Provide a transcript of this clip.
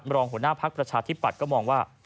รองหัวหน้าภักดิ์ประชาธิปัตย์ก็มองว่า